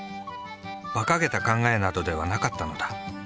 ばかげた考えなどではなかったのだ。